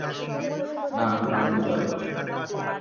না, নান্দুদা।